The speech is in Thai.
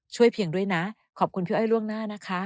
เพียงด้วยนะขอบคุณพี่อ้อยล่วงหน้านะคะ